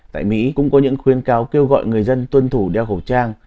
tại mỹ cũng có những khuyên cáo kêu gọi người dân tuân thủ đeo khẩu trang